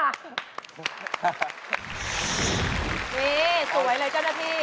นี่สวยเลยจนนพี่